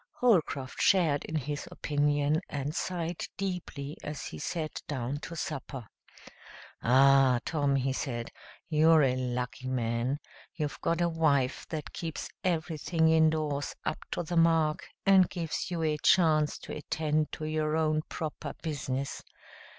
Holcroft shared in his opinion and sighed deeply as he sat down to supper. "Ah, Tom!" he said, "you're a lucky man. You've got a wife that keeps everything indoors up to the mark, and gives you a chance to attend to your own proper business.